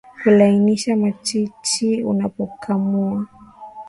kulainisha matiti unapokamua